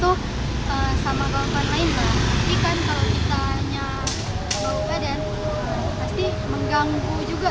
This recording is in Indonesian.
mungkin lebih baik kayak ditegur langsung atau gimana gitu